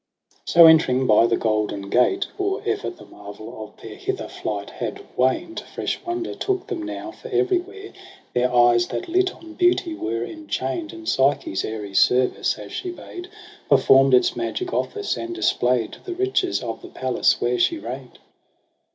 7 So entering by the golden gate, or e'er The marvel of their hither flight had waned. Fresh wonder took them now, for everywhere Their eyes that lit on beauty were enchain'd ; And Psyche's airy service, as she bade, Perform'd its magic office, and display'd The riches of the palace where she reign'd.